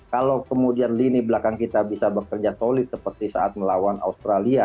kalau kemudian lini belakang kita bisa bekerja solid seperti saat melawan australia